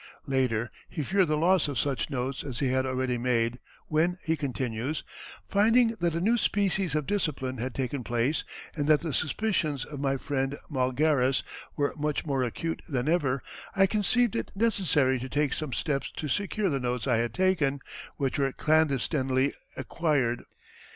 Later he feared the loss of such notes as he had already made, when, he continues: "Finding that a new species of discipline had taken place, and that the suspicions of my friend Malgares were much more acute than ever, I conceived it necessary to take some steps to secure the notes I had taken, which were clandestinely acquired.